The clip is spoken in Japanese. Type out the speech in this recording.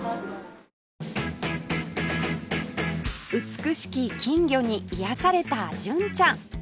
美しき金魚に癒やされた純ちゃん